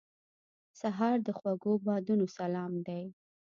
سهار د خوږو بادونو سلام دی.